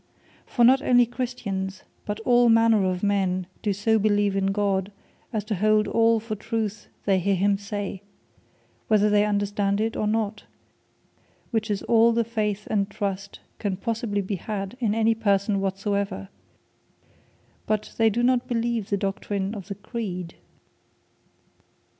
For not onely Christians, but all manner of men do so believe in God, as to hold all for truth they heare him say, whether they understand it, or not; which is all the Faith and trust can possibly be had in any person whatsoever: But they do not all believe the Doctrine of the Creed.